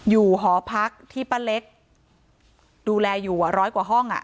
หอพักที่ป้าเล็กดูแลอยู่ร้อยกว่าห้อง